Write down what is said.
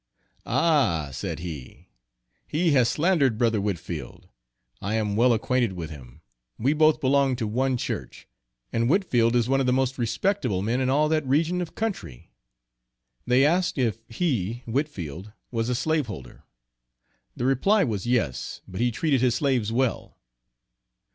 "Ah!" said he, "he has slandered Bro. Whitfield. I am well acquainted with him, we both belonged to one church; and Whitfield is one of the most respectable men in all that region of country." They asked if he (Whitfield) was a slaveholder? The reply was "yes, but he treated his slaves well."